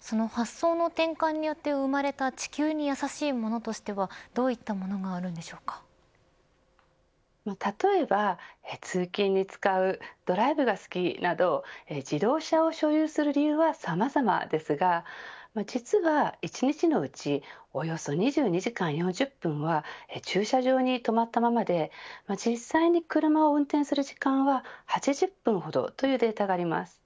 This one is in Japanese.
その発想の転換によって生まれた地球に優しいものとしてはどういったものが例えば、通勤に使うドライブが好きなど自動車を所有する理由はさまざまですが実は、一日のうちおよそ２２時間４０分は駐車場に止まったままで実際に車を運転する時間は８０分ほどというデータがあります。